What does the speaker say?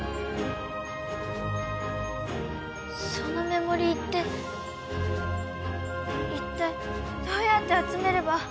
そのメモリーっていったいどうやって集めれば。